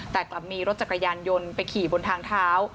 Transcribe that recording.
แต่กลับมีรถจักรยานยนต์ไปขี่บนทางเท้า